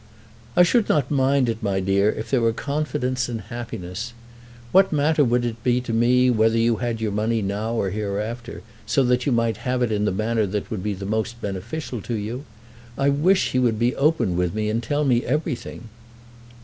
"I should not mind it, my dear, if there were confidence and happiness. What matter would it be to me whether you had your money now or hereafter, so that you might have it in the manner that would be most beneficial to you? I wish he would be open with me, and tell me everything."